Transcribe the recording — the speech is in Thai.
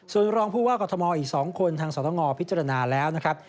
ส่วนรองผู้ว่ากรทมอีก๒คนทางสตงพิจารณาแล้วนะครับ